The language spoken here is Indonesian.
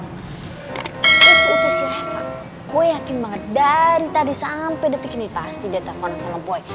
itu sih revo gue yakin banget dari tadi sampai detik ini pasti dia telpon sama boy